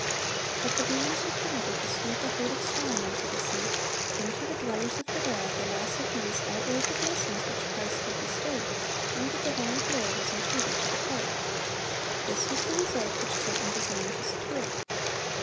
But the demons were permitted to sweep a herd of swine into the sea; and to the dwellers of Gadara the loss of these outweighed the blessings which Christ had bestowed, and the divine Healer was entreated to depart. This was the result which Satan designed to secure.